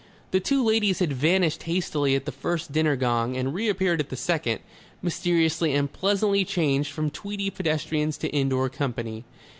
The two ladies had vanished hastily at the first dinner gong and reappeared at the second, mysteriously and pleasantly changed from tweedy pedestrians to indoor company.